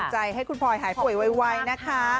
จะเป็นกันให้คุณพอยหายป่วยเว้ยนะคะ